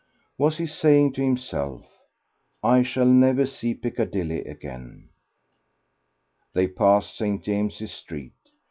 Was he saying to himself, "I shall never, never see Piccadilly again"? They passed St. James's Street.